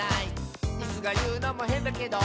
「イスがいうのもへんだけど」